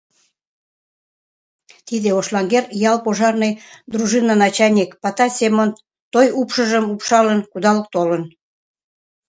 Тиде Ошлаҥер ял пожарный дружина начальник — Патай Семон той упшыжым упшалын кудал толын.